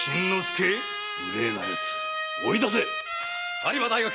有馬大学。